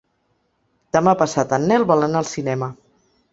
Demà passat en Nel vol anar al cinema.